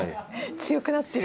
強くなってる。